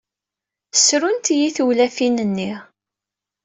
Ssrunt-iyi tewlafin-nni.